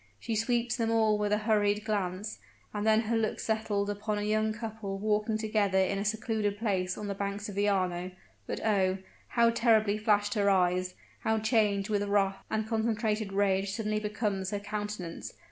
She sweeps them all with a hurried glance; and then her look settled upon a young couple walking together in a secluded place on the banks of the Arno. But oh! how terribly flashed her eyes how changed with wrath and concentrated rage suddenly becomes her countenance!